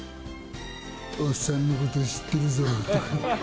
おじさんのこと知ってるぞって。